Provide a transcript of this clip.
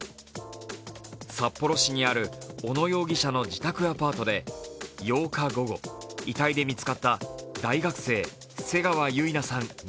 札幌市にある小野容疑者の自宅アパートで９日午後、遺体で見つかった大学生・瀬川結菜さん